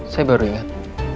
saya baru ingat